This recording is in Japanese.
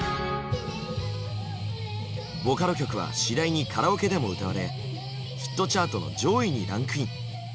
ボカロ曲は次第にカラオケでも歌われヒットチャートの上位にランクイン。